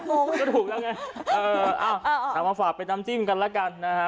ก็ถูกแล้วไงเอ้าเอามาฝากไปนำจิ้มกันละกันนะคะ